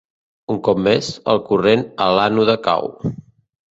Un cop més, el corrent a l'ànode cau.